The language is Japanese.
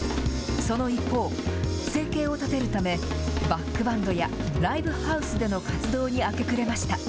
その一方、生計を立てるため、バックバンドやライブハウスでの活動に明け暮れました。